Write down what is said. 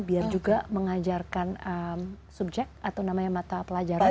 biar juga mengajarkan subjek atau namanya mata pelajaran